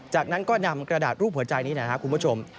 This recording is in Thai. จากนั้นก็นำกระดาษรูปหัวใจนี้นะครับคุณผู้ชม